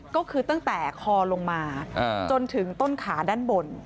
ก็คือตั้งแต่คอลงมาจนถึงต้นขาด้านบน